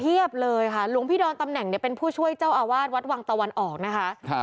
เลยค่ะหลวงพี่ดอนตำแหน่งเนี่ยเป็นผู้ช่วยเจ้าอาวาสวัดวังตะวันออกนะคะ